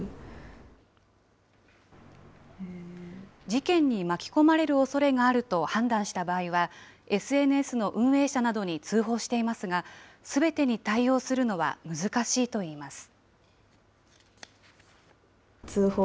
事件に巻き込まれるおそれがあると判断した場合は、ＳＮＳの運営者などに通報していますが、すべてに対応するのは難しいといいます。